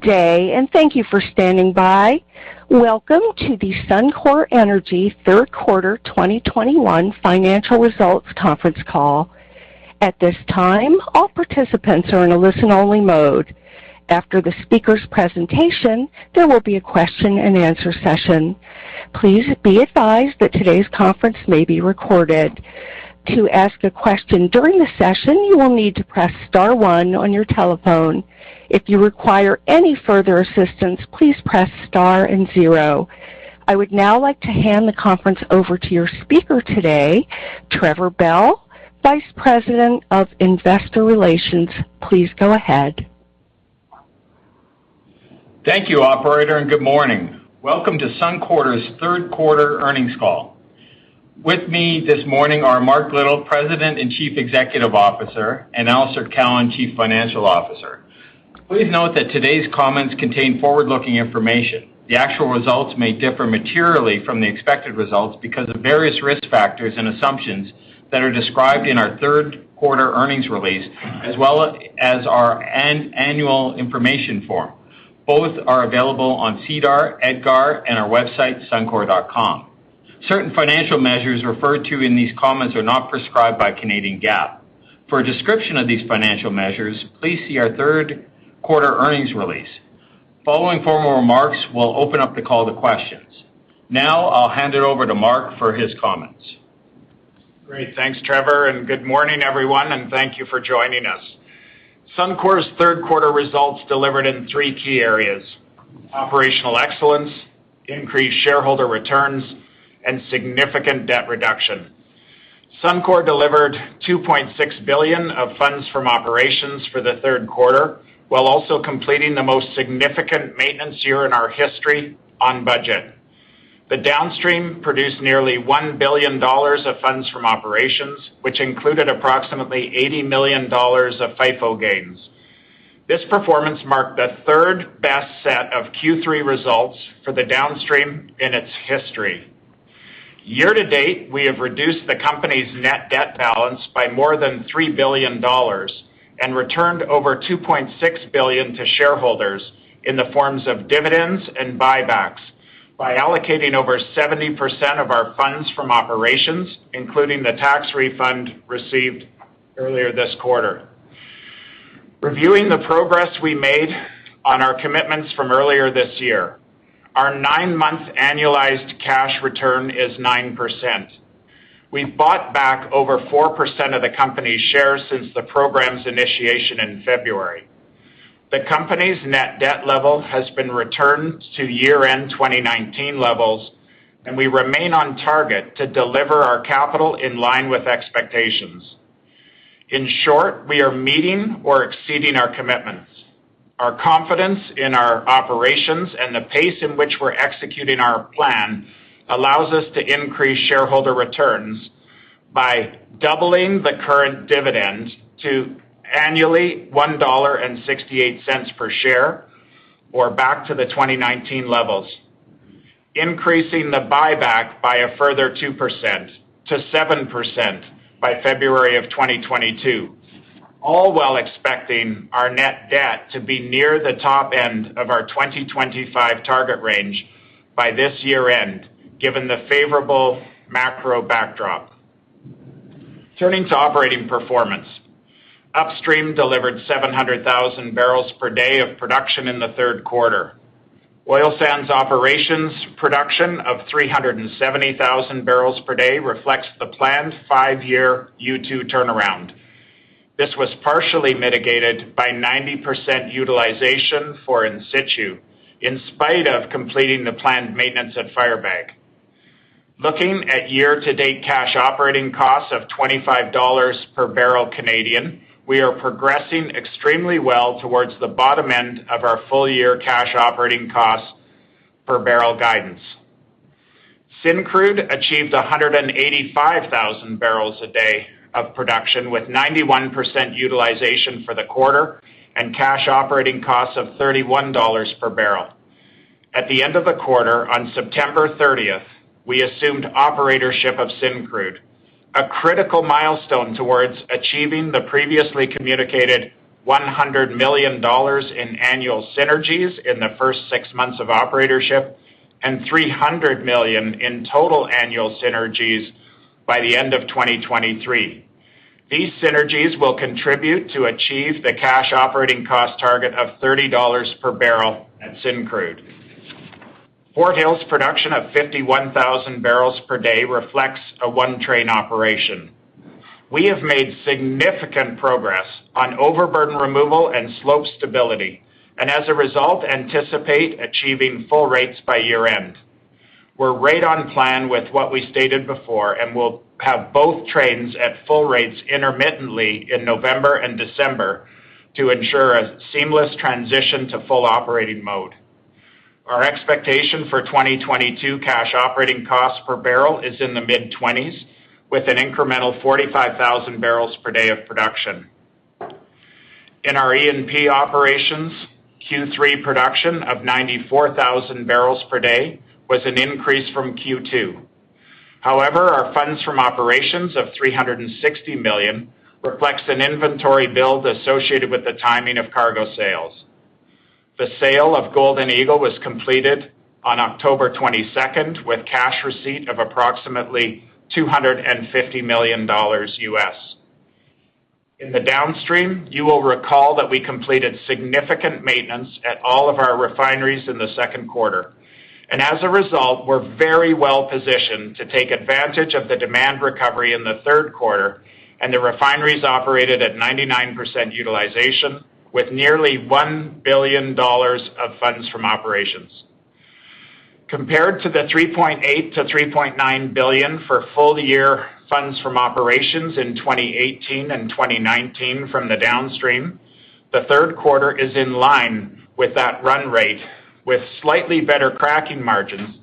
Good day, and thank you for standing by. Welcome to the Suncor Energy third quarter 2021 financial results conference call. At this time, all participants are in a listen-only mode. After the speaker's presentation, there will be a question-and-answer session. Please be advised that today's conference may be recorded. To ask a question during the session, you will need to press star one on your telephone. If you require any further assistance, please press star and zero. I would now like to hand the conference over to your speaker today, Trevor Bell, Vice President of Investor Relations. Please go ahead. Thank you, operator, and good morning. Welcome to Suncor's third quarter earnings call. With me this morning are Mark Little, President and Chief Executive Officer, and Alister Cowan, Chief Financial Officer. Please note that today's comments contain forward-looking information. The actual results may differ materially from the expected results because of various risk factors and assumptions that are described in our third quarter earnings release, as well as our annual information form. Both are available on SEDAR, EDGAR, and our website, suncor.com. Certain financial measures referred to in these comments are not prescribed by Canadian GAAP. For a description of these financial measures, please see our third quarter earnings release. Following formal remarks, we'll open up the call to questions. Now, I'll hand it over to Mark for his comments. Great. Thanks, Trevor, and good morning, everyone, and thank you for joining us. Suncor's third-quarter results delivered in three key areas, operational excellence, increased shareholder returns, and significant debt reduction. Suncor delivered 2.6 billion of funds from operations for the third quarter, while also completing the most significant maintenance year in our history on budget. The Downstream produced nearly 1 billion dollars of funds from operations, which included approximately 80 million dollars of FIFO gains. This performance marked the third-best set of Q3 results for the Downstream in its history. Year-to-date, we have reduced the company's net debt balance by more than 3 billion dollars and returned over 2.6 billion to shareholders in the forms of dividends and buybacks by allocating over 70% of our funds from operations, including the tax refund received earlier this quarter. Reviewing the progress we made on our commitments from earlier this year. Our nine-month annualized cash return is 9%. We've bought back over 4% of the company's shares since the program's initiation in February. The company's net debt level has been returned to year-end 2019 levels, and we remain on target to deliver our capital in line with expectations. In short, we are meeting or exceeding our commitments. Our confidence in our operations and the pace in which we're executing our plan allows us to increase shareholder returns by doubling the current dividend to annually 1.68 dollar per share or back to the 2019 levels, increasing the buyback by a further 2% to 7% by February of 2022, all while expecting our net debt to be near the top end of our 2025 target range by this year-end, given the favorable macro backdrop. Turning to operating performance. Upstream delivered 700,000 barrels per day of production in the third quarter. Oil sands operations production of 370,000 barrels per day reflects the planned five-year U2 turnaround. This was partially mitigated by 90% utilization for in-situ, in spite of completing the planned maintenance at Firebag. Looking at year-to-date cash operating costs of 25 dollars per barrel, we are progressing extremely well towards the bottom end of our full-year cash operating cost per barrel guidance. Syncrude achieved 185,000 barrels a day of production with 91% utilization for the quarter and cash operating costs of 31 dollars per barrel. At the end of the quarter, on September 30th, we assumed operatorship of Syncrude, a critical milestone towards achieving the previously communicated 100 million dollars in annual synergies in the first six months of operatorship and 300 million in total annual synergies by the end of 2023. These synergies will contribute to achieve the cash operating cost target of 30 dollars per barrel at Syncrude. Fort Hills production of 51,000 barrels per day reflects a one-train operation. We have made significant progress on overburden removal and slope stability and as a result, anticipate achieving full rates by year-end. We're right on plan with what we stated before, and we'll have both trains at full rates intermittently in November and December to ensure a seamless transition to full operating mode. Our expectation for 2022 cash operating costs per barrel is mid-20s, with an incremental 45,000 barrels per day of production. In our E&P operations, Q3 production of 94,000 barrels per day was an increase from Q2. However, our funds from operations of 360 million reflects an inventory build associated with the timing of cargo sales. The sale of Golden Eagle was completed on October 22nd, with cash receipt of approximately $250 million. In the Downstream, you will recall that we completed significant maintenance at all of our refineries in the second quarter. As a result, we're very well-positioned to take advantage of the demand recovery in the third quarter, and the refineries operated at 99% utilization with nearly 1 billion dollars of funds from operations. Compared to the 3.8 billion-3.9 billion for full year funds from operations in 2018 and 2019 from the Downstream, the third quarter is in line with that run rate with slightly better cracking margins,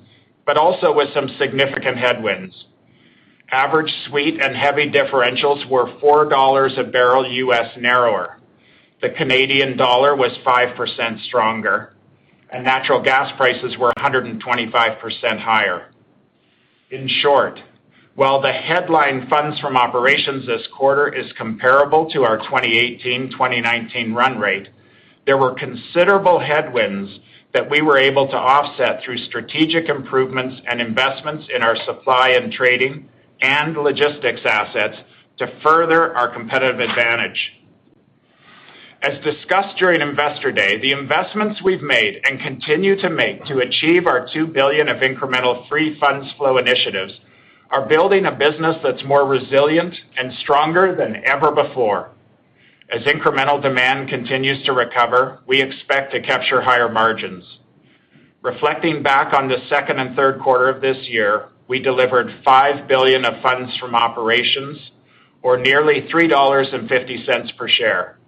but also with some significant headwinds. Average sweet and heavy differentials were $4 a barrel narrower. The Canadian dollar was 5% stronger, and natural gas prices were 125% higher. In short, while the headline funds from operations this quarter is comparable to our 2018, 2019 run rate, there were considerable headwinds that we were able to offset through strategic improvements and investments in our supply and trading and logistics assets to further our competitive advantage. As discussed during Investor Day, the investments we've made and continue to make to achieve our 2 billion of incremental free funds flow initiatives are building a business that's more resilient and stronger than ever before. As incremental demand continues to recover, we expect to capture higher margins. Reflecting back on the second and third quarter of this year, we delivered 5 billion of funds from operations or nearly 3.50 dollars per share.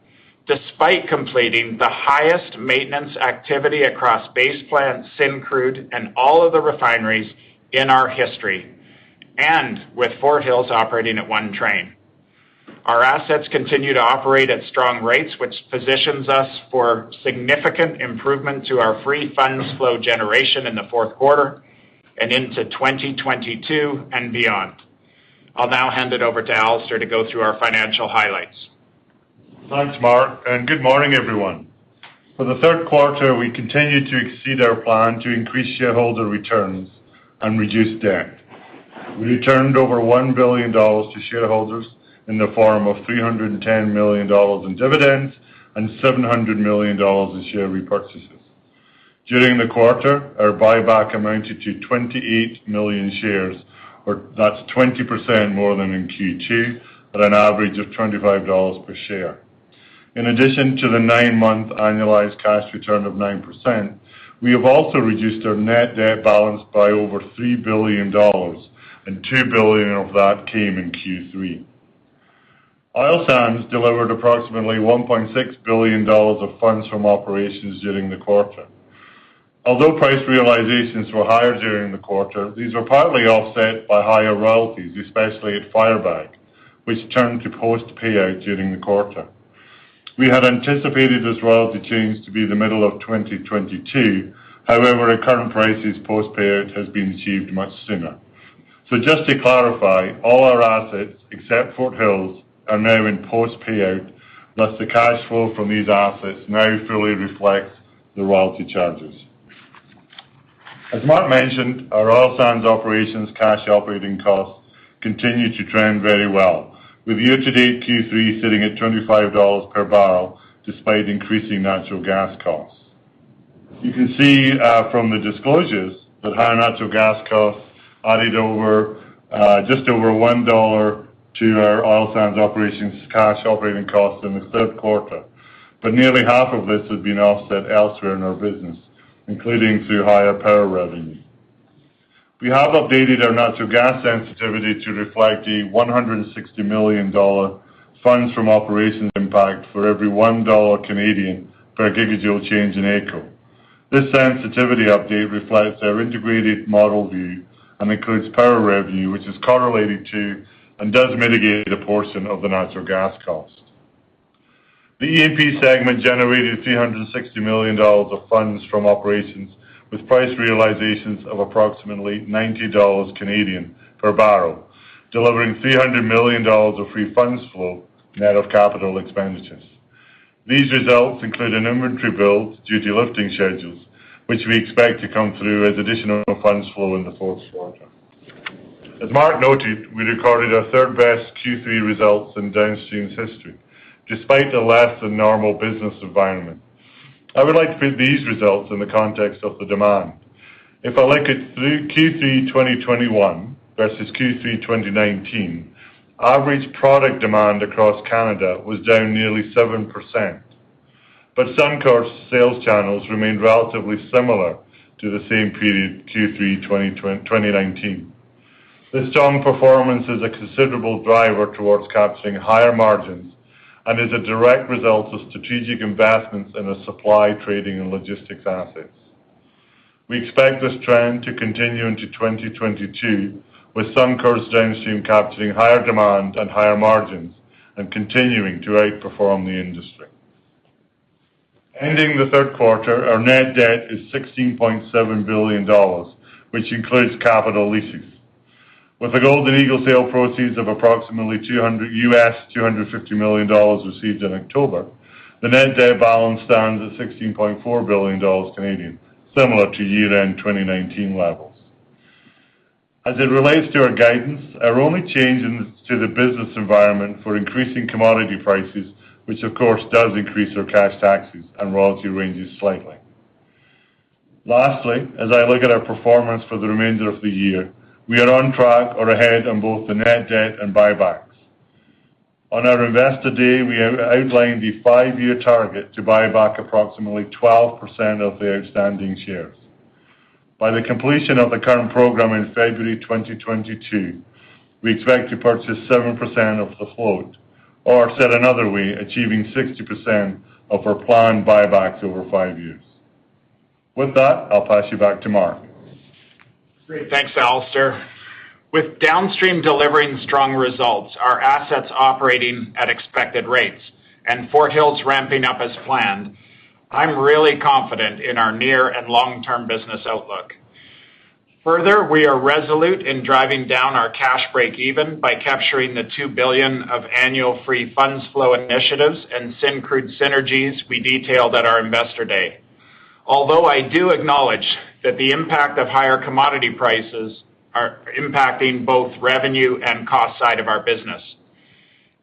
Despite completing the highest maintenance activity across Base Plant, Syncrude and all of the refineries in our history, and with Fort Hills operating at one train. Our assets continue to operate at strong rates, which positions us for significant improvement to our free funds flow generation in the fourth quarter and into 2022 and beyond. I'll now hand it over to Alister to go through our financial highlights. Thanks, Mark, and good morning, everyone. For the third quarter, we continued to exceed our plan to increase shareholder returns and reduce debt. We returned over 1 billion dollars to shareholders in the form of 310 million dollars in dividends and 700 million dollars in share repurchases. During the quarter, our buyback amounted to 28 million shares or that's 20% more than in Q2 at an average of 25 dollars per share. In addition to the nine-month annualized cash return of 9%, we have also reduced our net debt balance by over 3 billion dollars, and 2 billion of that came in Q3. Oil sands delivered approximately 1.6 billion dollars of funds from operations during the quarter. Although price realizations were higher during the quarter, these were partly offset by higher royalties, especially at Firebag, which turned to post-payout during the quarter. We had anticipated this royalty change to be the middle of 2022. However, at current prices, post-payout has been achieved much sooner. Just to clarify, all our assets, except Fort Hills, are now in post-payout. Thus, the cash flow from these assets now fully reflects the royalty charges. As Mark mentioned, our oil sands operations cash operating costs continue to trend very well with year-to-date Q3 sitting at 25 dollars per barrel, despite increasing natural gas costs. You can see from the disclosures that higher natural gas costs added just over 1 dollar to our oil sands operations cash operating costs in the third quarter. Nearly half of this has been offset elsewhere in our business, including through higher power revenue. We have updated our natural gas sensitivity to reflect the 160 million dollar funds from operations impact for every 1 Canadian dollar per GJ change in AECO. This sensitivity update reflects our integrated model view and includes power revenue, which is correlated to and does mitigate a portion of the natural gas cost. The E&P segment generated 360 million dollars of funds from operations with price realizations of approximately 90 Canadian dollars per barrel, delivering 300 million dollars of free funds flow net of capital expenditures. These results include an inventory build due to lifting schedules, which we expect to come through as additional funds flow in the fourth quarter. As Mark noted, we recorded our third-best Q3 results in Downstream's history, despite a less than normal business environment. I would like to put these results in the context of the demand. If I look at Q3 2021 versus Q3 2019, average product demand across Canada was down nearly 7%. Suncor sales channels remained relatively similar to the same period, Q3 2019. The strong performance is a considerable driver towards capturing higher margins and is a direct result of strategic investments in a supply, trading, and logistics assets. We expect this trend to continue into 2022, with Suncor's Downstream capturing higher demand and higher margins and continuing to outperform the industry. Ending the third quarter, our net debt is 16.7 billion dollars, which includes capital leases. With the Golden Eagle sale proceeds of approximately $250 million received in October, the net debt balance stands at 16.4 billion Canadian dollars, similar to year-end 2019 levels. As it relates to our guidance, our only change is due to increasing commodity prices, which of course does increase our cash taxes and royalty ranges slightly. Lastly, as I look at our performance for the remainder of the year, we are on track or ahead on both the net debt and buybacks. On our Investor Day, we outlined the five-year target to buy back approximately 12% of the outstanding shares. By the completion of the current program in February 2022, we expect to purchase 7% of the float, or said another way, achieving 60% of our planned buybacks over five years. With that, I'll pass you back to Mark. Great. Thanks, Alister. With downstream delivering strong results, our assets operating at expected rates, and Fort Hills ramping up as planned, I'm really confident in our near and long-term business outlook. Further, we are resolute in driving down our cash break even by capturing the 2 billion of annual free funds flow initiatives and Syncrude synergies we detailed at our Investor Day. Although I do acknowledge that the impact of higher commodity prices are impacting both revenue and cost side of our business.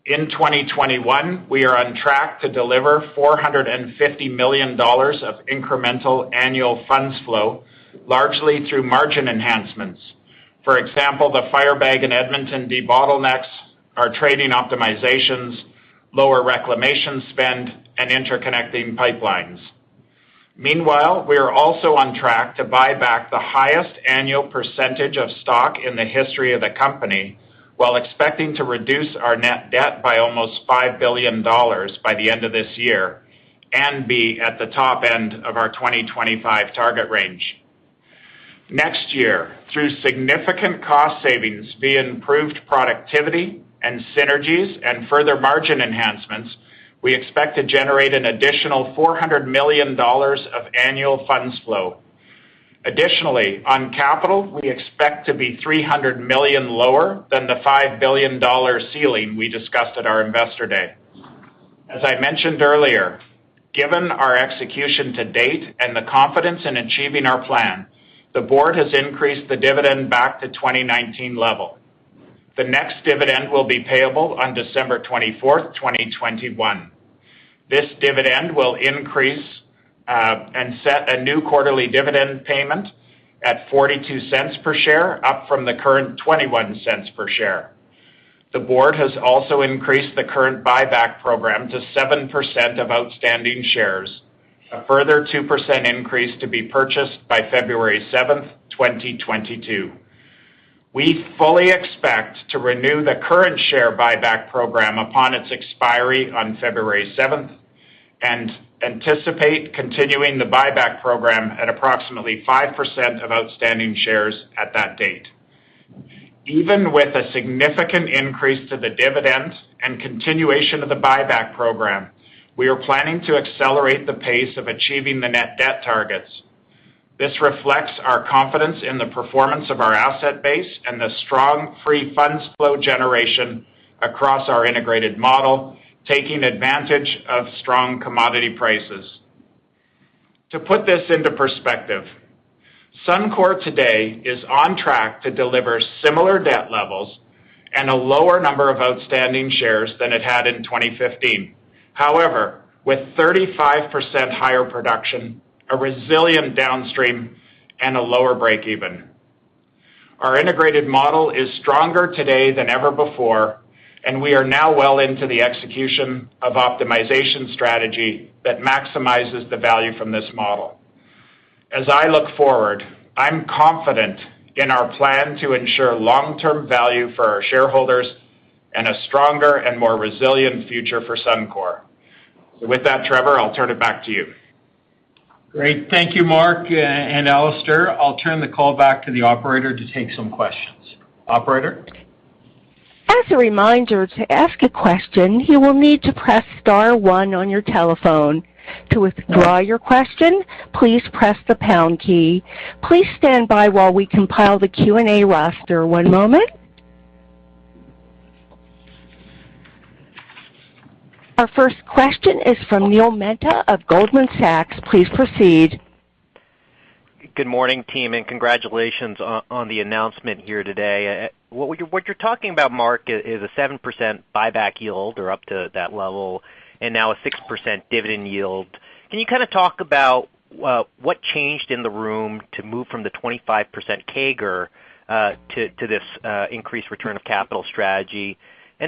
In 2021, we are on track to deliver 450 million dollars of incremental annual funds flow, largely through margin enhancements. For example, the Firebag and Edmonton debottlenecks, our trading optimizations, lower reclamation spend, and interconnecting pipelines. Meanwhile, we are also on track to buy back the highest annual percentage of stock in the history of the company, while expecting to reduce our net debt by almost 5 billion dollars by the end of this year and be at the top end of our 2025 target range. Next year, through significant cost savings via improved productivity and synergies and further margin enhancements, we expect to generate an additional 400 million dollars of annual funds flow. Additionally, on capital, we expect to be 300 million lower than the 5 billion dollar ceiling we discussed at our Investor Day. As I mentioned earlier, given our execution to date and the confidence in achieving our plan, the board has increased the dividend back to 2019 level. The next dividend will be payable on December 24, 2021. This dividend will increase and set a new quarterly dividend payment at 0.42 per share, up from the current 0.21 per share. The board has also increased the current buyback program to 7% of outstanding shares, a further 2% increase to be purchased by February 7th, 2022. We fully expect to renew the current share buyback program upon its expiry on February 7th and anticipate continuing the buyback program at approximately 5% of outstanding shares at that date. Even with a significant increase to the dividend and continuation of the buyback program, we are planning to accelerate the pace of achieving the net debt targets. This reflects our confidence in the performance of our asset base and the strong free funds flow generation across our integrated model, taking advantage of strong commodity prices. To put this into perspective, Suncor today is on track to deliver similar debt levels and a lower number of outstanding shares than it had in 2015. However, with 35% higher production, a resilient downstream, and a lower break even, our integrated model is stronger today than ever before, and we are now well into the execution of optimization strategy that maximizes the value from this model. As I look forward, I'm confident in our plan to ensure long-term value for our shareholders and a stronger and more resilient future for Suncor. With that, Trevor, I'll turn it back to you. Great. Thank you, Mark and Alister. I'll turn the call back to the operator to take some questions. Operator? As a reminder, to ask a question, you will need to press star one on your telephone. To withdraw your question, please press the pound key. Please stand by while we compile the Q&A roster. One moment. Our first question is from Neil Mehta of Goldman Sachs. Please proceed. Good morning, team, and congratulations on the announcement here today. What you're talking about, Mark, is a 7% buyback yield or up to that level, and now a 6% dividend yield. Can you kinda talk about what changed in the room to move from the 25% CAGR to this increased return of capital strategy?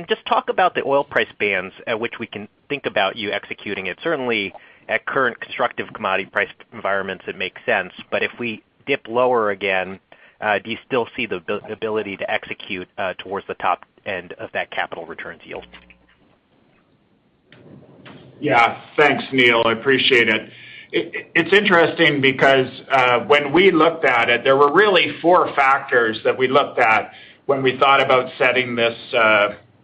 Just talk about the oil price bands at which we can think about you executing it. Certainly, at current constructive commodity price environments, it makes sense. If we dip lower again, do you still see the ability to execute towards the top end of that capital returns yield? Yeah. Thanks, Neil. I appreciate it. It’s interesting because when we looked at it, there were really four factors that we looked at when we thought about setting this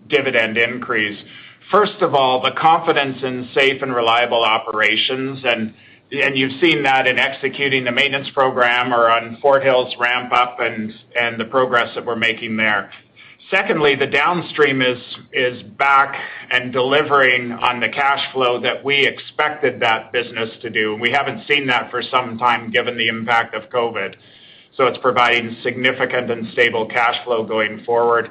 dividend increase. First of all, the confidence in safe and reliable operations, and you’ve seen that in executing the maintenance program or on Fort Hills ramp up and the progress that we’re making there. Secondly, the Downstream is back and delivering on the cash flow that we expected that business to do. We haven’t seen that for some time, given the impact of COVID. It’s providing significant and stable cash flow going forward.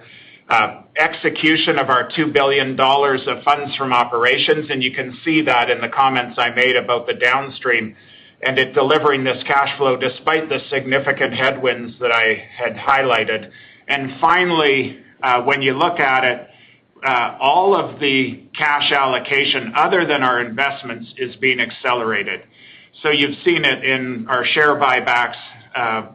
Execution of our 2 billion dollars of funds from operations, and you can see that in the comments I made about the Downstream and it delivering this cash flow despite the significant headwinds that I had highlighted. Finally, when you look at it, all of the cash allocation other than our investments is being accelerated. You've seen it in our share buybacks.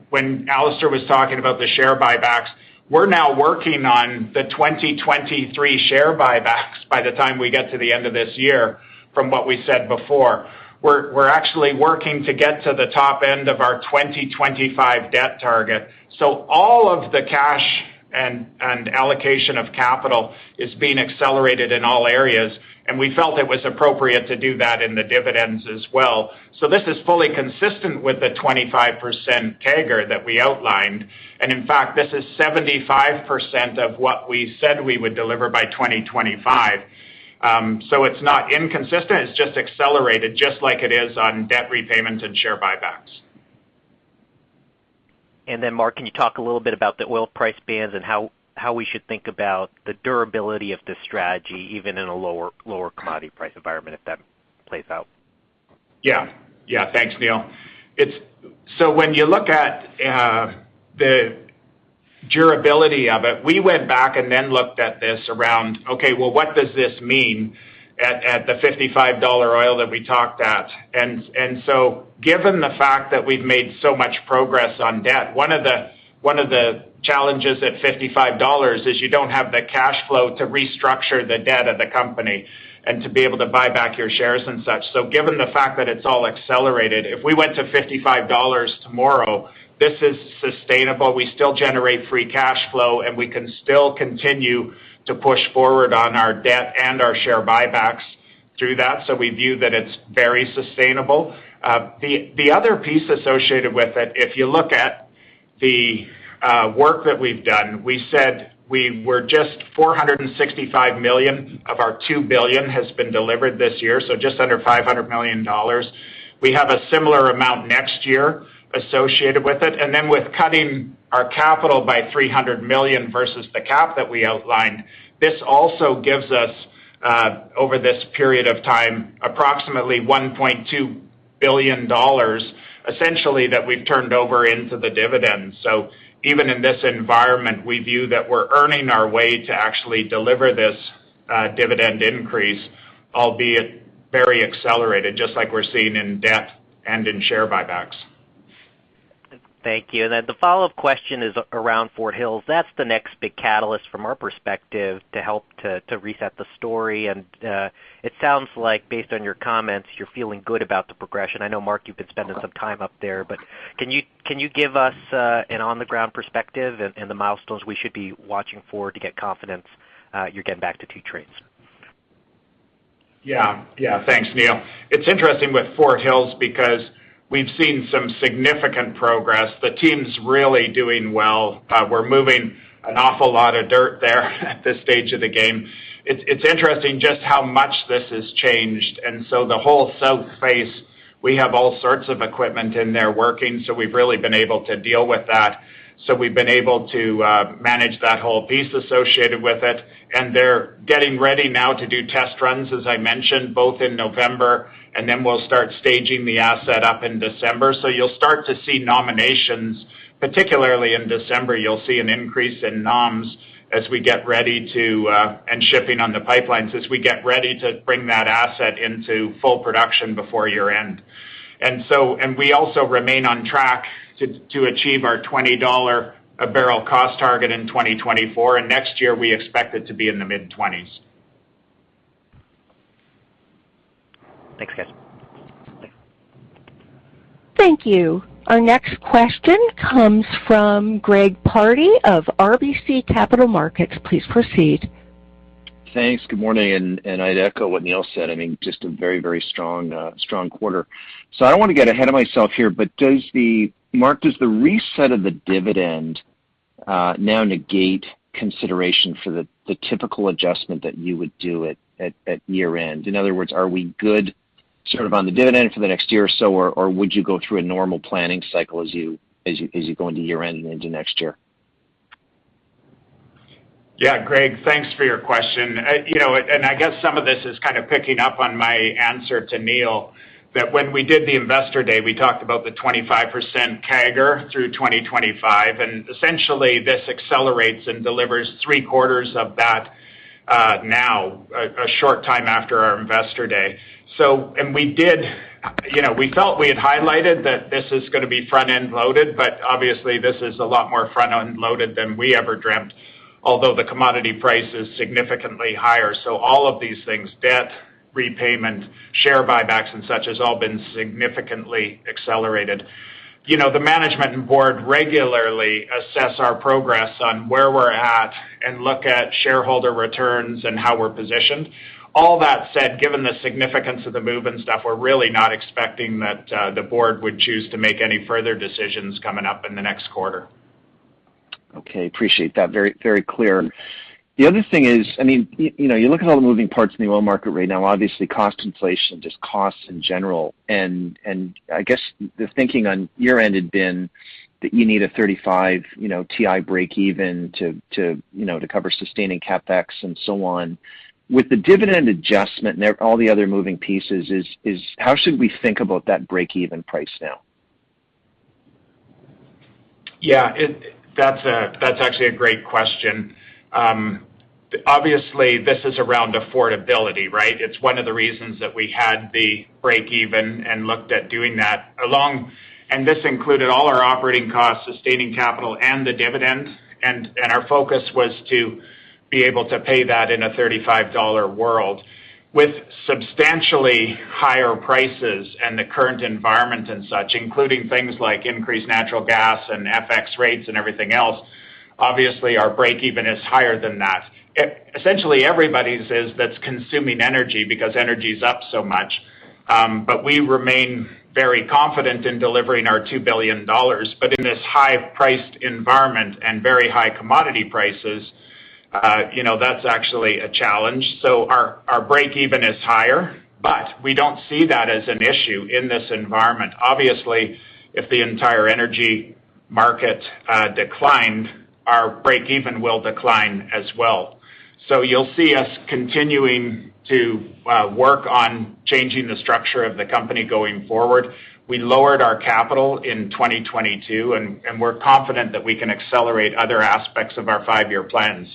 When Alister was talking about the share buybacks, we're now working on the 2023 share buybacks by the time we get to the end of this year from what we said before. We're actually working to get to the top end of our 2025 debt target. All of the cash and allocation of capital is being accelerated in all areas, and we felt it was appropriate to do that in the dividends as well. This is fully consistent with the 25% CAGR that we outlined. In fact, this is 75% of what we said we would deliver by 2025. It's not inconsistent, it's just accelerated just like it is on debt repayments and share buybacks. Mark, can you talk a little bit about the oil price bands and how we should think about the durability of this strategy, even in a lower commodity price environment if that plays out? Yeah. Thanks, Neil. When you look at the durability of it, we went back and looked at this, well, what does this mean at the 55 dollar oil that we talked at? Given the fact that we've made so much progress on debt, one of the challenges at 55 dollars is you don't have the cash flow to restructure the debt of the company and to be able to buy back your shares and such. Given the fact that it's all accelerated, if we went to 55 dollars tomorrow, this is sustainable. We still generate free cash flow, and we can still continue to push forward on our debt and our share buybacks through that. We view that it's very sustainable. The other piece associated with it, if you look at the work that we've done, we said we were just 465 million of our 2 billion has been delivered this year, so just under 500 million dollars. We have a similar amount next year associated with it. With cutting our capital by 300 million versus the cap that we outlined, this also gives us, over this period of time, approximately 1.2 billion dollars, essentially, that we've turned over into the dividend. Even in this environment, we view that we're earning our way to actually deliver this dividend increase, albeit very accelerated, just like we're seeing in debt and in share buybacks. Thank you. The follow-up question is around Fort Hills. That's the next big catalyst from our perspective to help reset the story. It sounds like based on your comments, you're feeling good about the progression. I know, Mark, you've been spending some time up there, but can you give us an on-the-ground perspective and the milestones we should be watching for to get confidence you're getting back to two trains? Yeah. Thanks, Neil. It's interesting with Fort Hills because we've seen some significant progress. The team's really doing well. We're moving an awful lot of dirt there at this stage of the game. It's interesting just how much this has changed. The whole south face, we have all sorts of equipment in there working, so we've really been able to deal with that. We've been able to manage that whole piece associated with it. They're getting ready now to do test runs, as I mentioned, both in November, and then we'll start staging the asset up in December. You'll start to see nominations, particularly in December. You'll see an increase in noms as we get ready to and shipping on the pipelines as we get ready to bring that asset into full production before year-end. We also remain on track to achieve our 20 dollar a barrel cost target in 2024, and next year, we expect it to be in the mid-20s. Thanks, guys. Thank you. Our next question comes from Greg Pardy of RBC Capital Markets. Please proceed. Thanks. Good morning. I'd echo what Neil said. I mean, just a very, very strong quarter. I don't wanna get ahead of myself here, but Mark, does the reset of the dividend now negate consideration for the typical adjustment that you would do at year-end? In other words, are we good sort of on the dividend for the next year or so, or would you go through a normal planning cycle as you go into year-end and into next year? Yeah. Greg, thanks for your question. You know, I guess some of this is kind of picking up on my answer to Neil, that when we did the Investor Day, we talked about the 25% CAGR through 2025, and essentially this accelerates and delivers three-quarters of that, now, a short time after our Investor Day. You know, we felt we had highlighted that this is gonna be front-end loaded, but obviously this is a lot more front-end loaded than we ever dreamt. Although the commodity price is significantly higher. All of these things, debt, repayment, share buybacks, and such, has all been significantly accelerated. You know, the management and board regularly assess our progress on where we're at and look at shareholder returns and how we're positioned. All that said, given the significance of the move and stuff, we're really not expecting that, the board would choose to make any further decisions coming up in the next quarter. Okay. Appreciate that. Very, very clear. The other thing is, I mean, you know, you look at all the moving parts in the oil market right now, obviously cost inflation, just costs in general. I guess the thinking on your end had been that you need a 35, you know, WTI breakeven to, you know, to cover sustaining CapEx and so on. With the dividend adjustment and all the other moving pieces, how should we think about that breakeven price now? Yeah, that's actually a great question. Obviously, this is around affordability, right? It's one of the reasons that we had the breakeven and looked at doing that. This included all our operating costs, sustaining capital, and the dividend. Our focus was to be able to pay that in a 35 dollar world. With substantially higher prices and the current environment and such, including things like increased natural gas and FX rates and everything else, obviously, our breakeven is higher than that. Essentially, everybody's is that's consuming energy because energy is up so much. We remain very confident in delivering our 2 billion dollars. In this high-priced environment and very high commodity prices, you know, that's actually a challenge. Our breakeven is higher, but we don't see that as an issue in this environment. Obviously, if the entire energy market declined, our breakeven will decline as well. You'll see us continuing to work on changing the structure of the company going forward. We lowered our capital in 2022, and we're confident that we can accelerate other aspects of our five-year plan.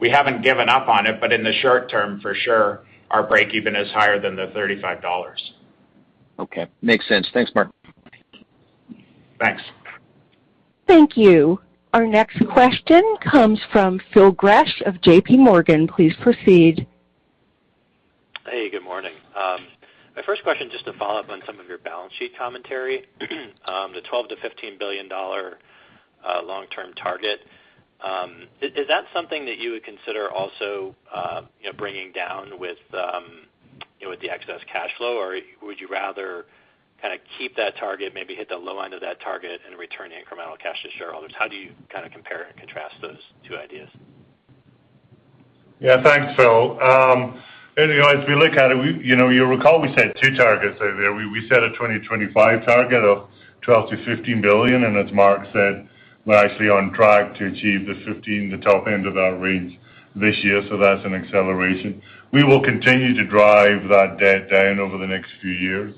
We haven't given up on it, but in the short term, for sure, our breakeven is higher than 35 dollars. Okay. Makes sense. Thanks, Mark. Thanks. Thank you. Our next question comes from Phil Gresh of J.P. Morgan. Please proceed. Hey, good morning. My first question, just to follow up on some of your balance sheet commentary. The 12 billion-15 billion dollar long-term target, is that something that you would consider also, you know, bringing down with, you know, with the excess cash flow? Or would you rather kinda keep that target, maybe hit the low end of that target and return the incremental cash to shareholders? How do you kinda compare and contrast those two ideas? Yeah. Thanks, Phil. Anyway, as we look at it, we, you know, you'll recall we set two targets out there. We set a 2025 target of 12 billion-15 billion, and as Mark said, we're actually on track to achieve the 15, the top end of that range this year. That's an acceleration. We will continue to drive that debt down over the next few years.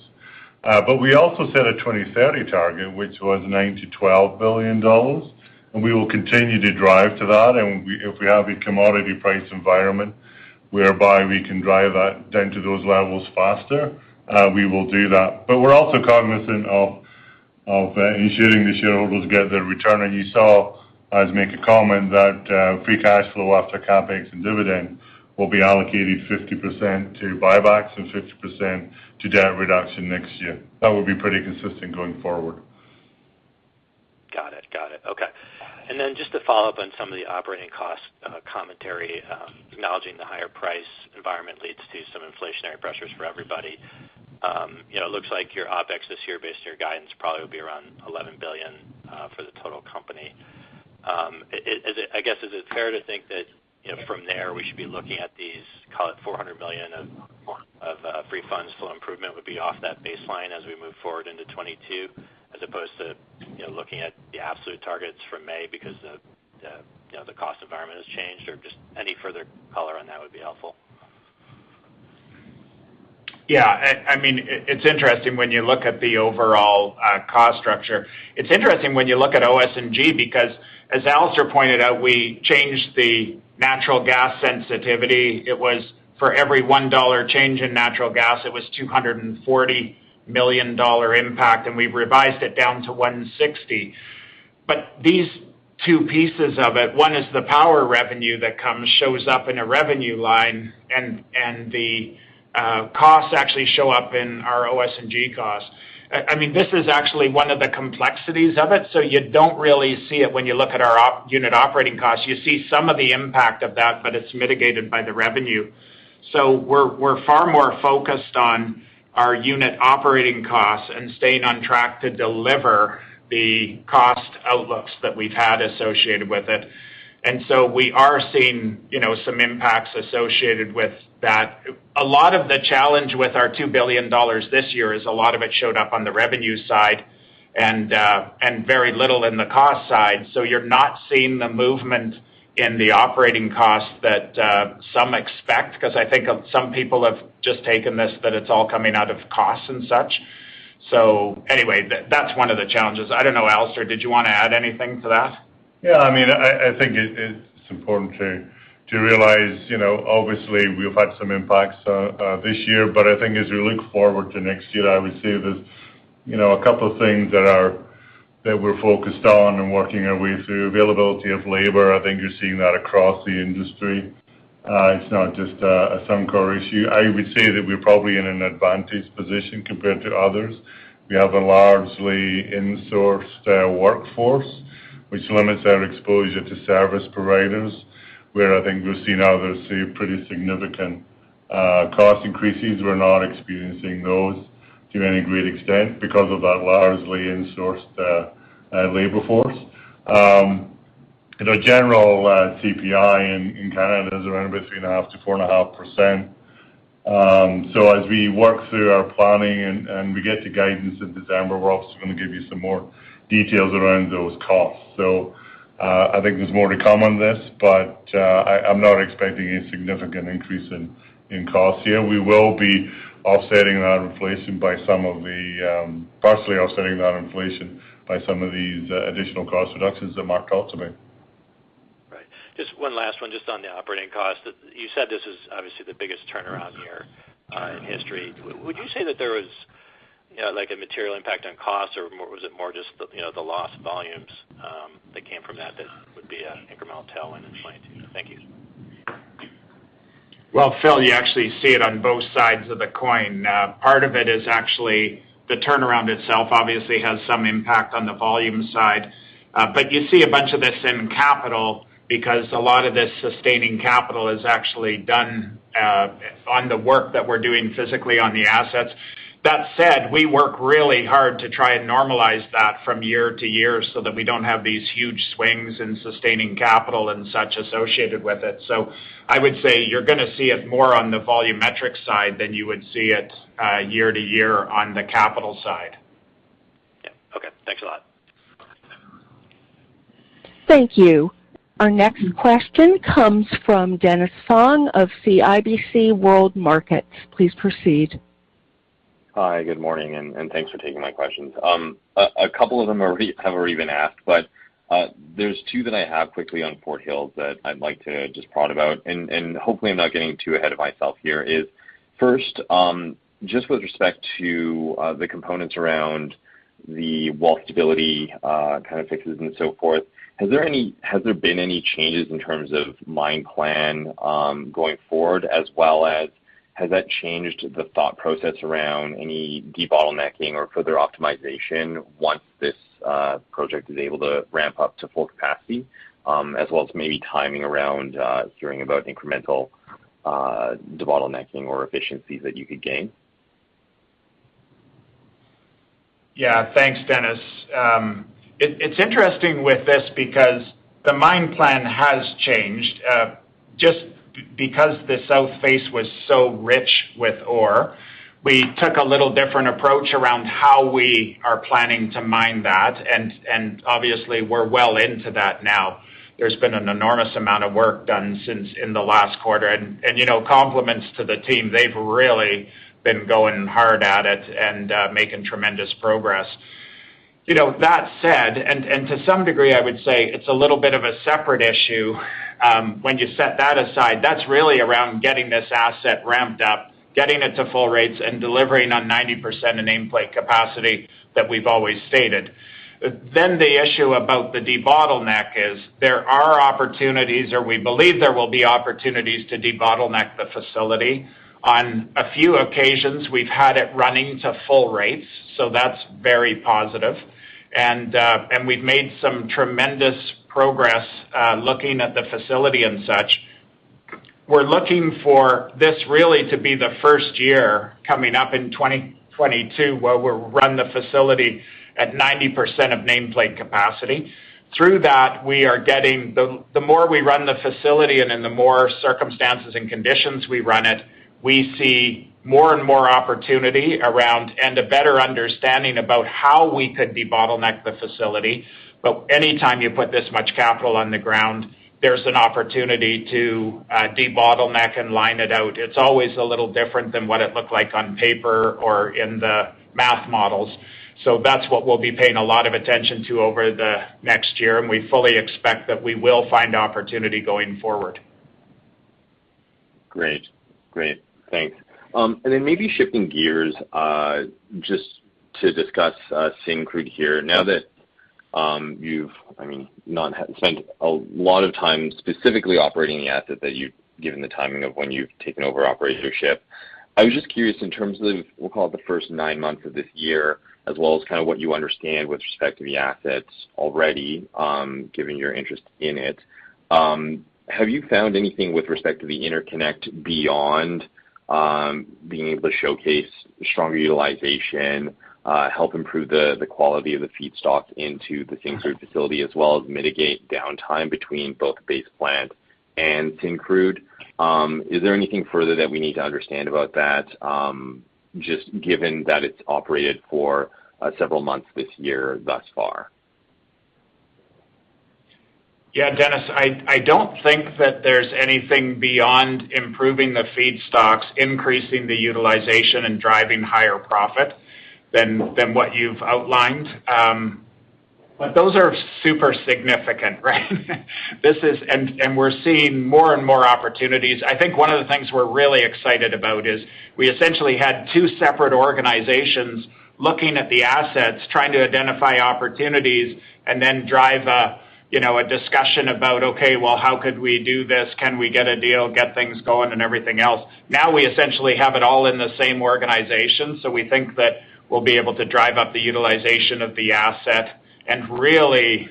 We also set a 2030 target, which was 9 billion-12 billion dollars, and we will continue to drive to that. If we have a commodity price environment whereby we can drive that down to those levels faster, we will do that. We're also cognizant of ensuring the shareholders get their return. You saw us make a comment that free cash flow after CapEx and dividend will be allocated 50% to buybacks and 50% to debt reduction next year. That would be pretty consistent going forward. Got it. Okay. Just to follow up on some of the operating cost commentary, acknowledging the higher price environment leads to some inflationary pressures for everybody. You know, it looks like your OpEx this year, based on your guidance, probably will be around 11 billion for the total company. I guess, is it fair to think that, you know, from there, we should be looking at these, call it 400 million of free funds flow improvement would be off that baseline as we move forward into 2022, as opposed to, you know, looking at the absolute targets from May because the cost environment has changed? Or just any further color on that would be helpful. Yeah. I mean, it's interesting when you look at the overall cost structure. It's interesting when you look at OS&G because as Alister pointed out, we changed the natural gas sensitivity. It was for every 1 dollar change in natural gas, it was 240 million dollar impact, and we've revised it down to 160. These two pieces of it, one is the power revenue that shows up in a revenue line, and the costs actually show up in our OS&G costs. I mean, this is actually one of the complexities of it, so you don't really see it when you look at our unit operating costs. You see some of the impact of that, but it's mitigated by the revenue. We're far more focused on our unit operating costs and staying on track to deliver the cost outlooks that we've had associated with it. We are seeing, you know, some impacts associated with that. A lot of the challenge with our 2 billion dollars this year is a lot of it showed up on the revenue side and very little in the cost side. You're not seeing the movement in the operating cost that, some expect, 'cause I think some people have just taken this, that it's all coming out of costs and such. Anyway, that's one of the challenges. I don't know, Alister, did you wanna add anything to that? Yeah, I mean, I think it's important to realize, you know, obviously, we've had some impacts this year, but I think as we look forward to next year, I would say there's, you know, a couple of things that we're focused on and working our way through, availability of labor. I think you're seeing that across the industry. It's not just a Suncor issue. I would say that we're probably in an advantage position compared to others. We have a largely insourced workforce, which limits our exposure to service providers, where I think we're seeing others see pretty significant cost increases. We're not experiencing those to any great extent because of that largely insourced labor force. You know, general CPI in Canada is around between 0.5%-4.5%. As we work through our planning and we get to guidance in December, we're obviously gonna give you some more details around those costs. I think there's more to come on this, but I'm not expecting any significant increase in costs here. We will be partially offsetting that inflation by some of these additional cost reductions that Mark talked about. Right. Just one last one just on the operating cost. You said this is obviously the biggest turnaround year in history. Would you say that there was a material impact on costs or more, was it more just the lost volumes that came from that that would be an incremental tailwind in 2022? Thank you. Well, Phil, you actually see it on both sides of the coin. Part of it is actually the turnaround itself obviously has some impact on the volume side. You see a bunch of this in capital because a lot of this sustaining capital is actually done on the work that we're doing physically on the assets. That said, we work really hard to try and normalize that from year-to-year so that we don't have these huge swings in sustaining capital and such associated with it. I would say you're gonna see it more on the volumetric side than you would see it year-to-year on the capital side. Yeah. Okay. Thanks a lot. Thank you. Our next question comes from Dennis Fong of CIBC World Markets. Please proceed. Hi, good morning, and thanks for taking my questions. A couple of them already have been asked, but there's two that I have quickly on Fort Hills that I'd like to just probe about, and hopefully I'm not getting too ahead of myself here is, first, just with respect to the components around the wall stability kind of fixes and so forth, has there been any changes in terms of mine plan going forward, as well as has that changed the thought process around any debottlenecking or further optimization once this project is able to ramp up to full capacity, as well as maybe timing around hearing about incremental debottlenecking or efficiencies that you could gain? Yeah. Thanks, Dennis. It's interesting with this because the mine plan has changed. Just because the south face was so rich with ore, we took a little different approach around how we are planning to mine that. Obviously, we're well into that now. There's been an enormous amount of work done since in the last quarter. You know, compliments to the team. They've really been going hard at it and making tremendous progress. You know, that said, to some degree, I would say it's a little bit of a separate issue when you set that aside. That's really around getting this asset ramped up, getting it to full rates, and delivering on 90% of nameplate capacity that we've always stated. The issue about the debottleneck is there are opportunities, or we believe there will be opportunities to debottleneck the facility. On a few occasions, we've had it running to full rates, so that's very positive. We've made some tremendous progress looking at the facility and such. We're looking for this really to be the first year coming up in 2022, where we'll run the facility at 90% of nameplate capacity. Through that, we are getting the more we run the facility and then the more circumstances and conditions we run it, we see more and more opportunity around and a better understanding about how we could debottleneck the facility. But anytime you put this much capital on the ground, there's an opportunity to debottleneck and line it out. It's always a little different than what it looked like on paper or in the math models. That's what we'll be paying a lot of attention to over the next year, and we fully expect that we will find opportunity going forward. Great. Thanks. Maybe shifting gears, just to discuss Syncrude here. Now that you've, I mean, not spent a lot of time specifically operating the asset given the timing of when you've taken over operatorship, I was just curious in terms of we'll call it the first nine months of this year, as well as kind of what you understand with respect to the assets already given your interest in it. Have you found anything with respect to the interconnect beyond being able to showcase stronger utilization, help improve the quality of the feedstock into the Syncrude facility as well as mitigate downtime between both Base Plant and Syncrude? Is there anything further that we need to understand about that, just given that it's operated for several months this year thus far? Yeah, Dennis, I don't think that there's anything beyond improving the feedstocks, increasing the utilization, and driving higher profit than what you've outlined. Those are super significant, right? We're seeing more and more opportunities. I think one of the things we're really excited about is we essentially had two separate organizations looking at the assets, trying to identify opportunities and then drive a you know, a discussion about, okay, well, how could we do this? Can we get a deal, get things going and everything else? Now we essentially have it all in the same organization, so we think that we'll be able to drive up the utilization of the asset and really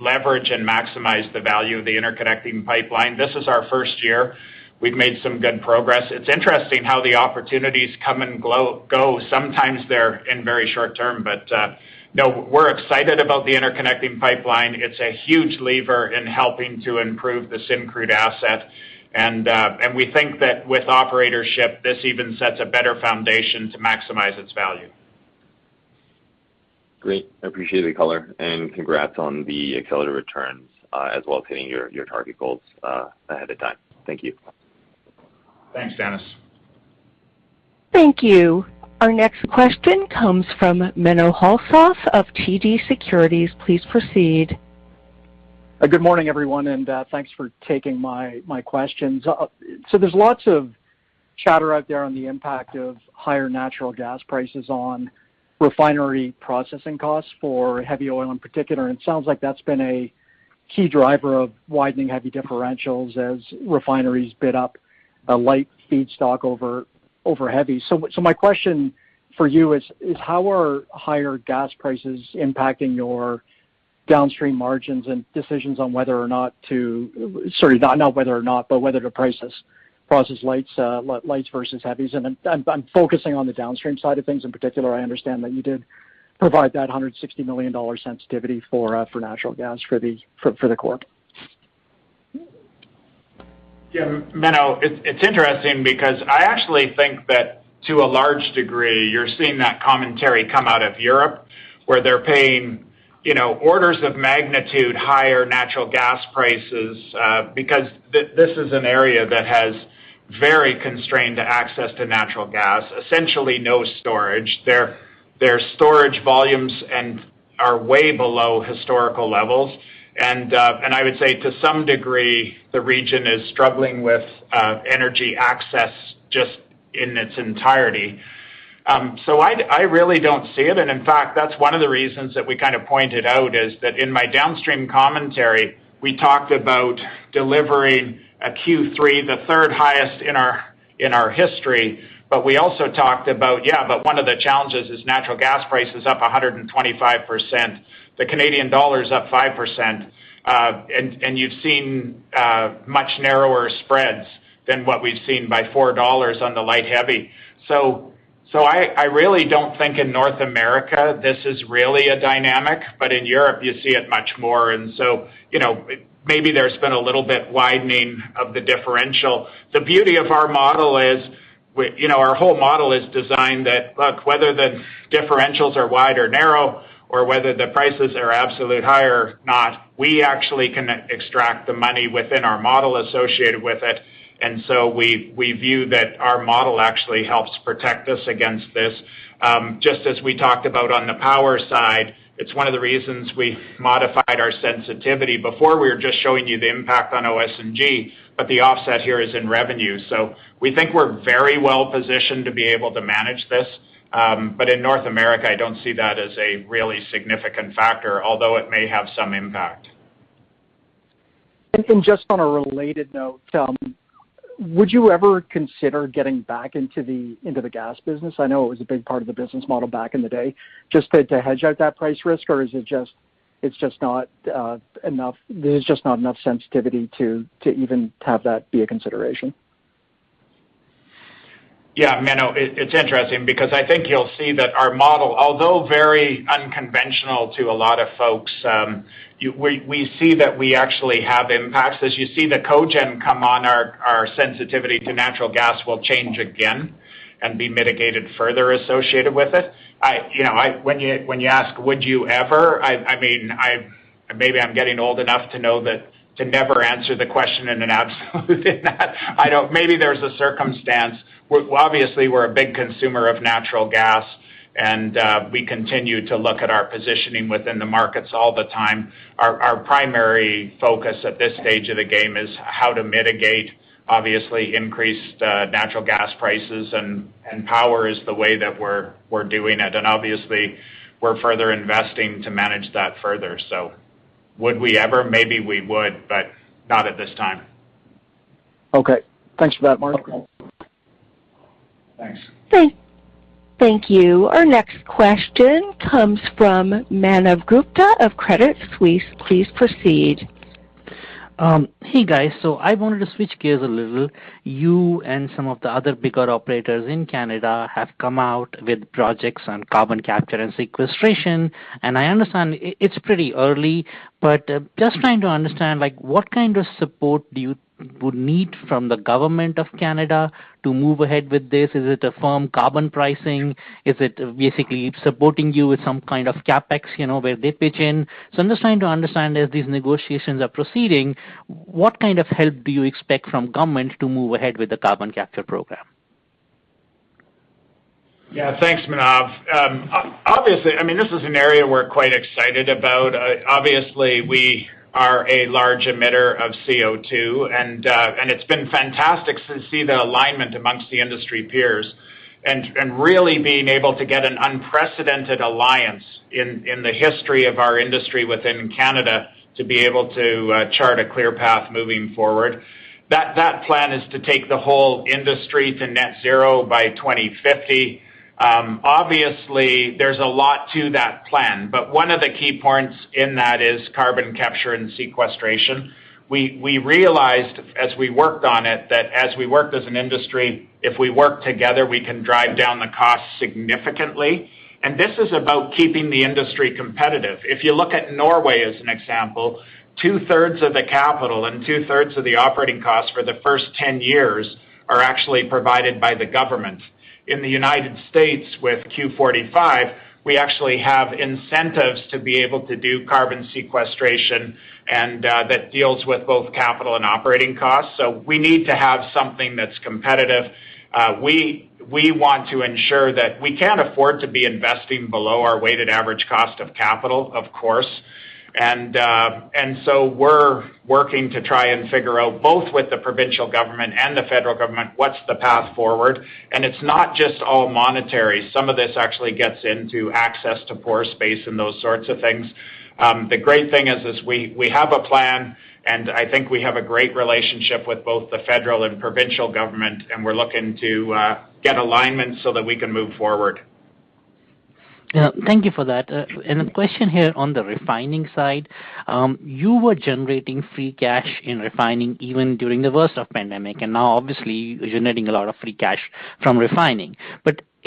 leverage and maximize the value of the interconnecting pipeline. This is our first year. We've made some good progress. It's interesting how the opportunities come and go. Sometimes they're in very short term, but, no, we're excited about the interconnecting pipeline. It's a huge lever in helping to improve the Syncrude asset. We think that with operatorship, this even sets a better foundation to maximize its value. Great. I appreciate the color, and congrats on the accelerated returns, as well as hitting your target goals, ahead of time. Thank you. Thanks, Dennis. Thank you. Our next question comes from Menno Hulshof of TD Securities. Please proceed. Good morning, everyone, and thanks for taking my questions. There's lots of chatter out there on the impact of higher natural gas prices on refinery processing costs for heavy oil in particular. It sounds like that's been a key driver of widening heavy differentials as refineries bid up light feedstock over heavy. My question for you is how are higher gas prices impacting your downstream margins and decisions on whether to process lights versus heavies? I'm focusing on the downstream side of things. In particular, I understand that you did provide that 160 million dollar sensitivity for natural gas for the Corp. Yeah, Menno, it's interesting because I actually think that to a large degree, you're seeing that commentary come out of Europe, where they're paying, you know, orders of magnitude higher natural gas prices, because this is an area that has very constrained access to natural gas, essentially no storage. Their storage volumes are way below historical levels. I would say to some degree, the region is struggling with energy access just in its entirety. I really don't see it. In fact, that's one of the reasons that we kind of pointed out is that in my downstream commentary, we talked about delivering a Q3, the third highest in our history. We also talked about one of the challenges is natural gas price is up 125%. The Canadian dollar is up 5%. You've seen much narrower spreads than what we've seen by 4 dollars on the light heavy. I really don't think in North America this is really a dynamic, but in Europe you see it much more. You know, maybe there's been a little bit widening of the differential. The beauty of our model is, you know, our whole model is designed that, look, whether the differentials are wide or narrow or whether the prices are absolutely high or not, we actually can extract the money within our model associated with it. We view that our model actually helps protect us against this. Just as we talked about on the power side, it's one of the reasons we modified our sensitivity. Before, we were just showing you the impact on OS&G, but the offset here is in revenue. We think we're very well-positioned to be able to manage this. In North America, I don't see that as a really significant factor, although it may have some impact. Just on a related note, would you ever consider getting back into the gas business? I know it was a big part of the business model back in the day, just to hedge out that price risk, or is it just not enough. There's just not enough sensitivity to even have that be a consideration? Yeah, Menno, it's interesting because I think you'll see that our model, although very unconventional to a lot of folks, we see that we actually have impacts. As you see the cogen come on, our sensitivity to natural gas will change again and be mitigated further associated with it. You know, when you ask, "Would you ever?" I mean, maybe I'm getting old enough to know that to never answer the question in an absolute in that. Maybe there's a circumstance. Obviously, we're a big consumer of natural gas, and we continue to look at our positioning within the markets all the time. Our primary focus at this stage of the game is how to mitigate, obviously, increased natural gas prices, and power is the way that we're doing it. Obviously, we're further investing to manage that further. Would we ever? Maybe we would, but not at this time. Okay. Thanks for that, Mark. Okay. Thanks. Thank you. Our next question comes from Manav Gupta of Credit Suisse. Please proceed. Hey, guys. I wanted to switch gears a little. You and some of the other bigger operators in Canada have come out with projects on carbon capture and sequestration. I understand it's pretty early, but just trying to understand, like, what kind of support would you need from the government of Canada to move ahead with this? Is it a firm carbon pricing? Is it basically supporting you with some kind of CapEx, you know, where they pitch in? I'm just trying to understand as these negotiations are proceeding, what kind of help do you expect from government to move ahead with the carbon capture program? Yeah. Thanks, Manav. I mean, obviously, this is an area we're quite excited about. Obviously, we are a large emitter of CO2, and it's been fantastic to see the alignment amongst the industry peers and really being able to get an unprecedented alliance in the history of our industry within Canada to be able to chart a clear path moving forward. That plan is to take the whole industry to net zero by 2050. Obviously, there's a lot to that plan, but one of the key points in that is carbon capture and sequestration. We realized, as we worked on it, that as we worked as an industry, if we work together, we can drive down the cost significantly. This is about keeping the industry competitive. If you look at Norway as an example, 2/3 of the capital and 2/3 of the operating costs for the first 10 years are actually provided by the government. In the United States, with Q45, we actually have incentives to be able to do carbon sequestration and that deals with both capital and operating costs. We need to have something that's competitive. We want to ensure that we can't afford to be investing below our weighted average cost of capital, of course. We're working to try and figure out, both with the provincial government and the federal government, what's the path forward. It's not just all monetary. Some of this actually gets into access to pore space and those sorts of things. The great thing is we have a plan, and I think we have a great relationship with both the federal and provincial government, and we're looking to get alignment so that we can move forward. Yeah. Thank you for that. A question here on the refining side. You were generating free cash in refining even during the worst of pandemic, and now obviously, you're generating a lot of free cash from refining.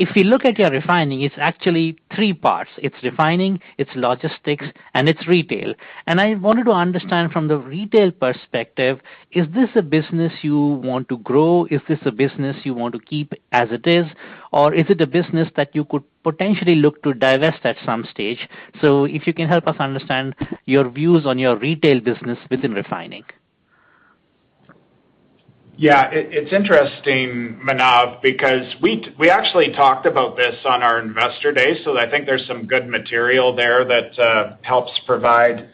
If you look at your refining, it's actually three parts, it's refining, it's logistics, and it's retail. I wanted to understand from the retail perspective, is this a business you want to grow? Is this a business you want to keep as it is? Or is it a business that you could potentially look to divest at some stage? If you can help us understand your views on your retail business within refining. It's interesting, Manav, because we actually talked about this on our Investor Day, so I think there's some good material there that helps provide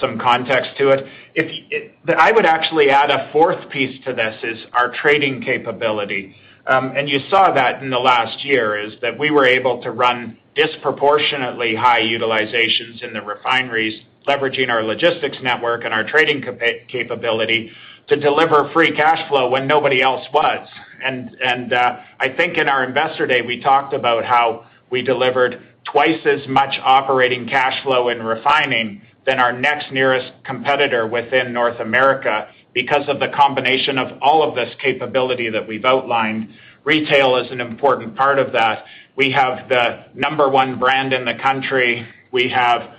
some context to it. I would actually add a fourth piece to this is our trading capability. You saw that in the last year, is that we were able to run disproportionately high utilizations in the refineries, leveraging our logistics network and our trading capability to deliver free cash flow when nobody else was. I think in our Investor Day, we talked about how we delivered twice as much operating cash flow in refining than our next nearest competitor within North America because of the combination of all of this capability that we've outlined. Retail is an important part of that. We have the number one brand in the country. We have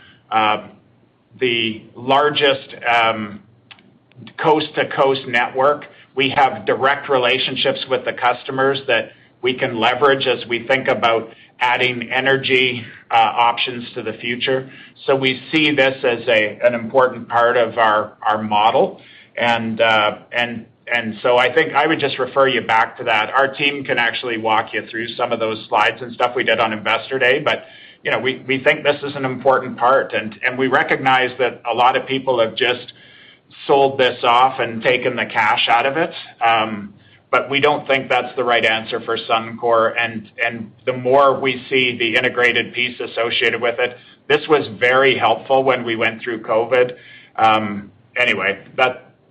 the largest coast-to-coast network. We have direct relationships with the customers that we can leverage as we think about adding energy options to the future. We see this as an important part of our model. I think I would just refer you back to that. Our team can actually walk you through some of those slides and stuff we did on Investor Day. You know, we think this is an important part, and we recognize that a lot of people have just sold this off and taken the cash out of it. We don't think that's the right answer for Suncor. The more we see the integrated piece associated with it, this was very helpful when we went through COVID. Anyway,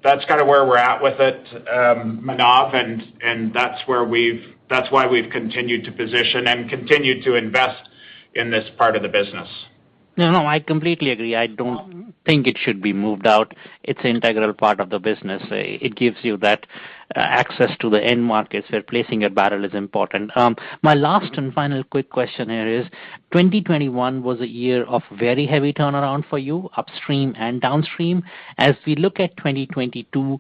that's kinda where we're at with it, Manav, and that's why we've continued to position and continued to invest in this part of the business. No, no, I completely agree. I don't think it should be moved out. It's integral part of the business. It gives you that access to the end markets where placing a barrel is important. My last and final quick question here is, 2021 was a year of very heavy turnaround for you, upstream and downstream. As we look at 2022,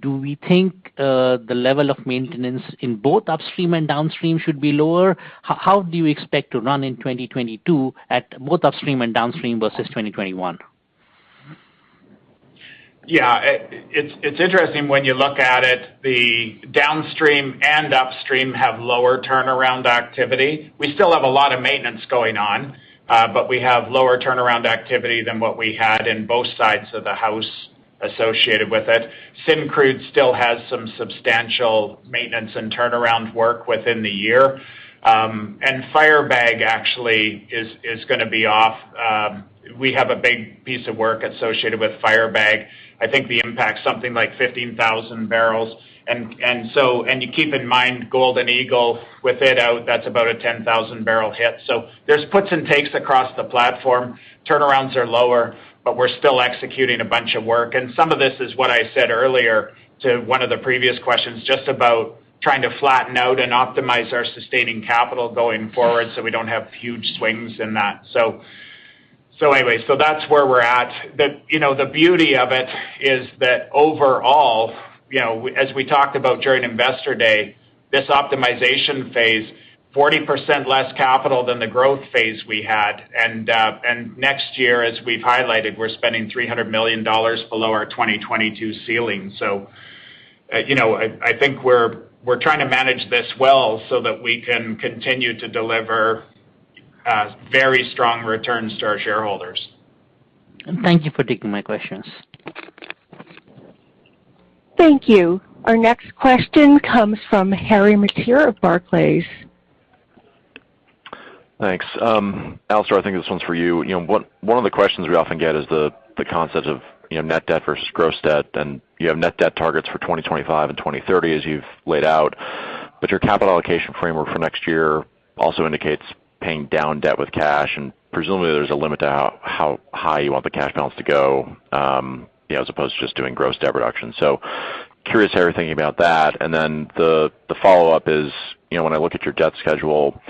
do we think the level of maintenance in both upstream and downstream should be lower? How do you expect to run in 2022 at both upstream and downstream versus 2021? Yeah. It's interesting when you look at it, the downstream and upstream have lower turnaround activity. We still have a lot of maintenance going on, but we have lower turnaround activity than what we had in both sides of the house associated with it. Syncrude still has some substantial maintenance and turnaround work within the year. Firebag actually is gonna be off. We have a big piece of work associated with Firebag. I think the impact is something like 15,000 barrels. You keep in mind, Golden Eagle, with it out, that's about a 10,000-barrel hit. There's puts and takes across the platform. Turnarounds are lower, but we're still executing a bunch of work. Some of this is what I said earlier to one of the previous questions, just about trying to flatten out and optimize our sustaining capital going forward so we don't have huge swings in that. Anyway, that's where we're at. You know, the beauty of it is that overall, you know, as we talked about during Investor Day, this optimization phase, 40% less capital than the growth phase we had. Next year, as we've highlighted, we're spending 300 million dollars below our 2022 ceiling. You know, I think we're trying to manage this well so that we can continue to deliver very strong returns to our shareholders. Thank you for taking my questions. Thank you. Our next question comes from Harry Mateer of Barclays. Thanks. Alister, I think this one's for you. You know, one of the questions we often get is the concept of, you know, net debt versus gross debt, and you have net debt targets for 2025 and 2030 as you've laid out. Your capital allocation framework for next year also indicates paying down debt with cash, and presumably there's a limit to how high you want the cash balance to go, you know, as opposed to just doing gross debt reduction. Curious how you're thinking about that. Then the follow-up is, you know, when I look at your debt schedule,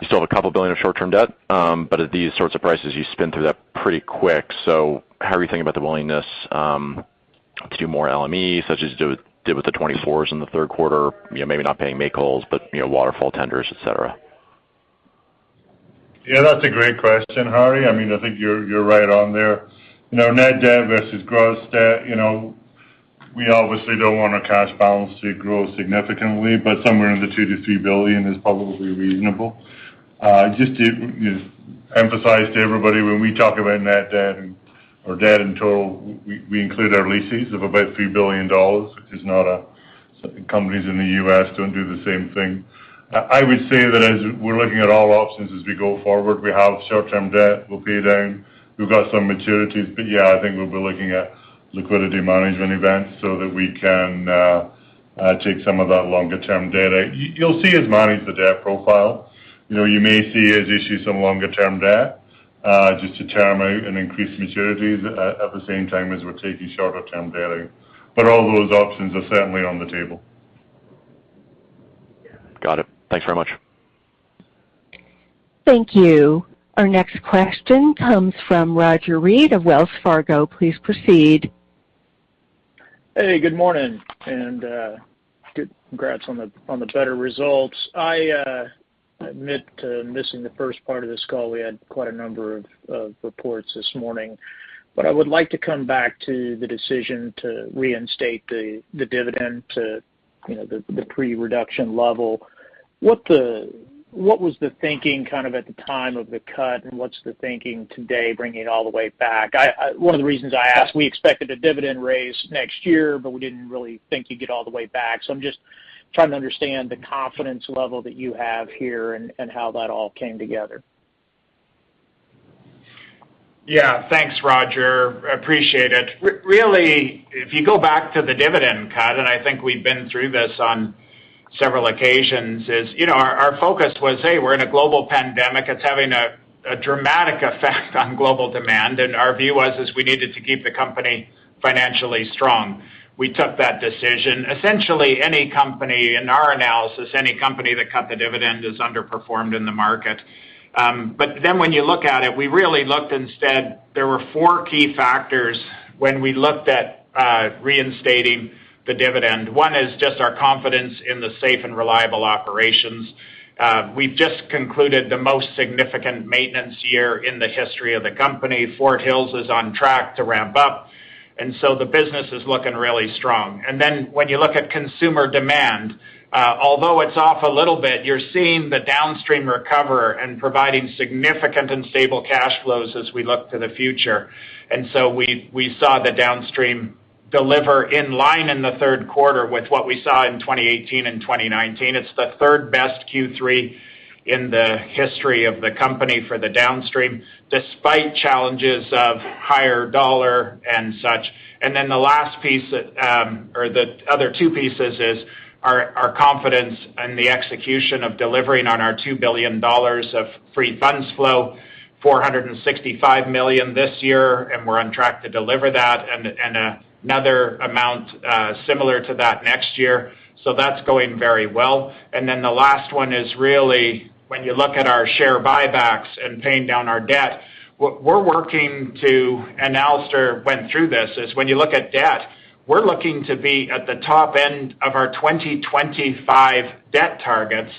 you still have CAD a couple billion of short-term debt, but at these sorts of prices, you spin through that pretty quick. How are you thinking about the willingness to do more LME, such as did with the 2024s in the third quarter? You know, maybe not paying make-wholes, but you know, waterfall tenders, et cetera. Yeah, that's a great question, Harry. I mean, I think you're right on there. You know, net debt versus gross debt, you know, we obviously don't want our cash balance to grow significantly, but somewhere in the 2 billion-3 billion is probably reasonable. Just to emphasize to everybody, when we talk about net debt or debt in total, we include our leases of about 3 billion dollars, which companies in the U.S. don't do the same thing. I would say that as we're looking at all options as we go forward, we have short-term debt we'll pay down. We've got some maturities. Yeah, I think we'll be looking at liquidity management events so that we can take some of that longer-term debt out. You'll see us manage the debt profile. You know, you may see us issue some longer-term debt, just to term out and increase maturities at the same time as we're taking shorter-term debt out. But all those options are certainly on the table. Got it. Thanks very much. Thank you. Our next question comes from Roger Read of Wells Fargo. Please proceed. Hey, good morning, and good congrats on the better results. I admit to missing the first part of this call. We had quite a number of reports this morning. I would like to come back to the decision to reinstate the dividend to, you know, the pre-reduction level. What was the thinking kind of at the time of the cut, and what's the thinking today bringing it all the way back? One of the reasons I ask, we expected a dividend raise next year, but we didn't really think you'd get all the way back. I'm just trying to understand the confidence level that you have here and how that all came together. Yeah. Thanks, Roger. Appreciate it. Really, if you go back to the dividend cut, and I think we've been through this on several occasions, is, you know, our focus was, hey, we're in a global pandemic. It's having a dramatic effect on global demand. Our view was, is we needed to keep the company financially strong. We took that decision. Essentially, any company in our analysis that cut the dividend has underperformed in the market. Then when you look at it, we really looked instead, there were four key factors when we looked at reinstating the dividend. One is just our confidence in the safe and reliable operations. We've just concluded the most significant maintenance year in the history of the company. Fort Hills is on track to ramp up, and so the business is looking really strong. When you look at consumer demand, although it's off a little bit, you're seeing the downstream recover and providing significant and stable cash flows as we look to the future. We saw the downstream deliver in line in the third quarter with what we saw in 2018 and 2019. It's the third best Q3 in the history of the company for the downstream, despite challenges of higher dollar and such. The last piece that or the other two pieces is our confidence in the execution of delivering on our 2 billion dollars of free funds flow, 465 million this year, and we're on track to deliver that in another amount similar to that next year. That's going very well. The last one is really when you look at our share buybacks and paying down our debt, what we're working to, and Alister went through this, is when you look at debt, we're looking to be at the top end of our 2025 debt targets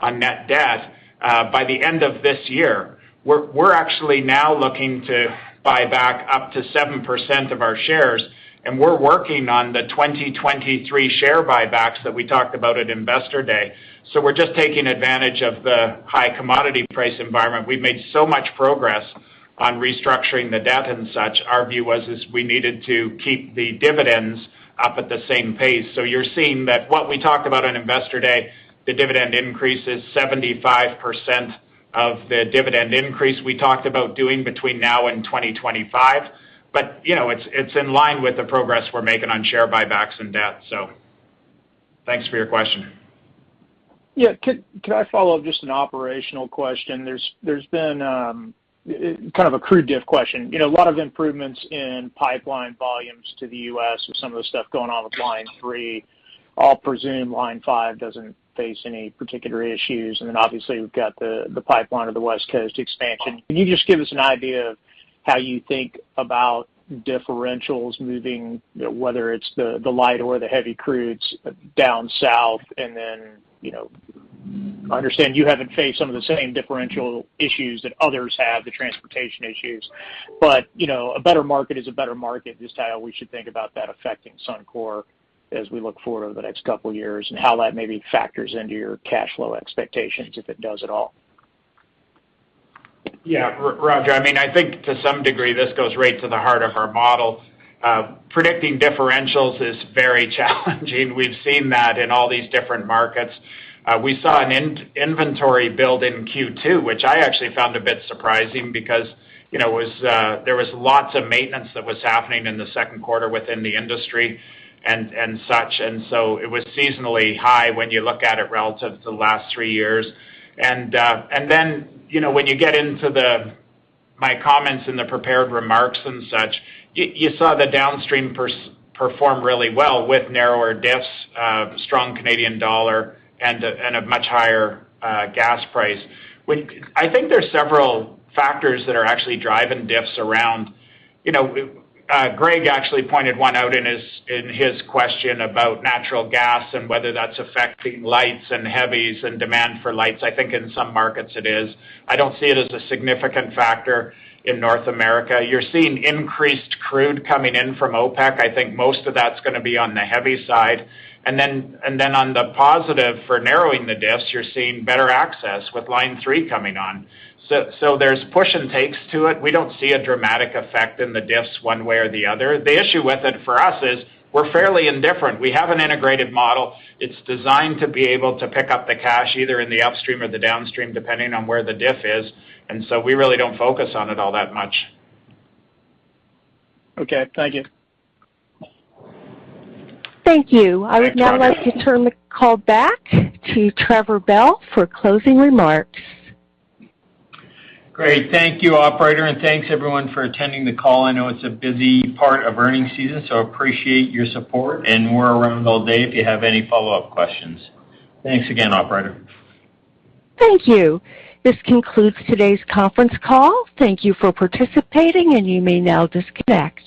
on net debt by the end of this year. We're actually now looking to buy back up to 7% of our shares, and we're working on the 2023 share buybacks that we talked about at Investor Day. We're just taking advantage of the high commodity price environment. We've made so much progress on restructuring the debt and such. Our view is we needed to keep the dividends up at the same pace. You're seeing that what we talked about on Investor Day, the dividend increase is 75% of the dividend increase we talked about doing between now and 2025. You know, it's in line with the progress we're making on share buybacks and debt. Thanks for your question. Yeah. Could I follow up with just an operational question? There's been kind of a crude diff question. You know, a lot of improvements in pipeline volumes to the U.S. with some of the stuff going on with Line 3. I'll presume Line 5 doesn't face any particular issues. Obviously, we've got the pipeline of the Trans Mountain Expansion. Can you just give us an idea of how you think about differentials moving, whether it's the light or the heavy crudes down south? You know, I understand you haven't faced some of the same differential issues that others have, the transportation issues. You know, a better market is a better market. Just how we should think about that affecting Suncor as we look forward over the next couple years and how that maybe factors into your cash flow expectations, if it does at all? Yeah, Roger, I mean, I think to some degree, this goes right to the heart of our model. Predicting differentials is very challenging. We've seen that in all these different markets. We saw an inventory build in Q2, which I actually found a bit surprising because, you know, there was lots of maintenance that was happening in the second quarter within the industry and such. It was seasonally high when you look at it relative to the last three years. You know, when you get into my comments in the prepared remarks and such, you saw the downstream perform really well with narrower diffs, strong Canadian dollar and a much higher gas price. I think there's several factors that are actually driving diffs around. You know, Greg actually pointed one out in his question about natural gas and whether that's affecting lights and heavies and demand for lights. I think in some markets it is. I don't see it as a significant factor in North America. You're seeing increased crude coming in from OPEC. I think most of that's gonna be on the heavy side. And then on the positive for narrowing the diffs, you're seeing better access with line three coming on. So there's push and takes to it. We don't see a dramatic effect in the diffs one way or the other. The issue with it for us is we're fairly indifferent. We have an integrated model. It's designed to be able to pick up the cash either in the upstream or the downstream, depending on where the diff is. We really don't focus on it all that much. Okay, thank you. Thank you. Thanks, Roger. I would now like to turn the call back to Trevor Bell for closing remarks. Great. Thank you, operator, and thanks everyone for attending the call. I know it's a busy part of earnings season, so I appreciate your support and we're around all day if you have any follow-up questions. Thanks again, operator. Thank you. This concludes today's conference call. Thank you for participating, and you may now disconnect.